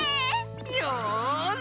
よし！